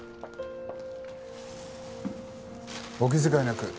お気遣いなく。